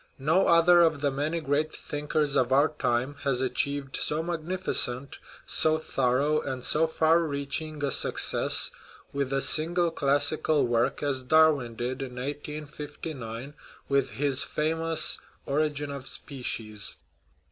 No other of the many great thinkers of our time has achieved so magnificent, so thorough, and so far reaching a suc cess with a single classical work as Darwin did in 1859 with his famous Origin of Species.